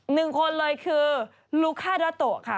หนึ่งคนเลยคือลูคาราโตะค่ะ